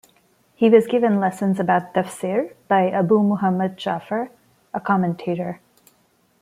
He was given lessons about Tafsir by Abu Muhammad Ja'far, a commentator.